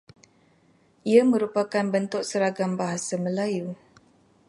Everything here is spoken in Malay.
Ia merupakan bentuk seragam bahasa Melayu.